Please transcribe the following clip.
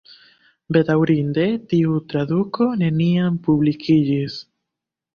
Bedaŭrinde tiu traduko neniam publikiĝis.